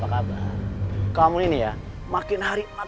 robin kamu mau kemana